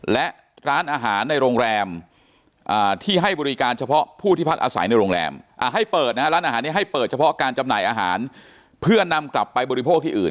และร้านอาหารในโรงแรมที่ให้บริการเฉพาะผู้ที่พักอาศัยในโรงแรมให้เปิดนะฮะร้านอาหารนี้ให้เปิดเฉพาะการจำหน่ายอาหารเพื่อนำกลับไปบริโภคที่อื่น